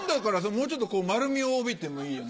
もうちょっとこう丸みを帯びてもいいよね。